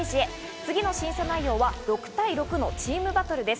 次の審査内容は６対６のチームバトルです。